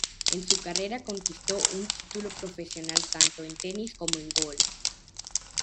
En su carrera conquistó un título profesional tanto en tenis como en golf.